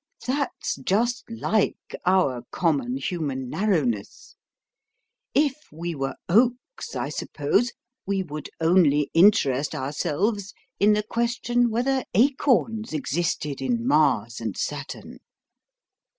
That's just like our common human narrowness. If we were oaks, I suppose, we would only interest ourselves in the question whether acorns existed in Mars and Saturn."